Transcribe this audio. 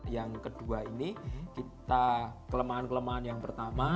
yang kedua ini kita kelemahan kelemahan yang pertama